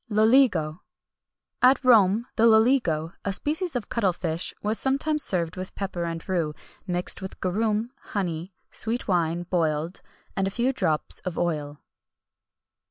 LOLIGO. At Rome the loligo, a species of cuttle fish, was sometimes served with pepper and rue, mixed with garum, honey, sweet wine boiled, and a few drops of oil.